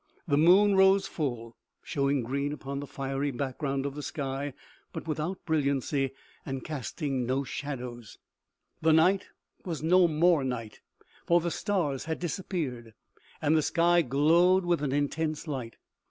The moon rose full, showing green upon the fiery back ground of the sky, but without brilliancy and casting no 1 68 OMEGA. shadows. The night was no more night, for the stars had disappeared, and the sky glowed with an intense light.